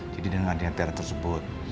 jadi dengan adanya tri tersebut